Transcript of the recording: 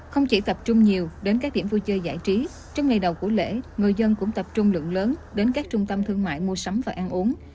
không chỉ tập trung nhiều đến các điểm vui chơi giải trí trong ngày đầu của lễ người dân cũng tập trung lượng lớn đến các trung tâm thương mại mua sắm và ăn uống